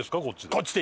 こっちで。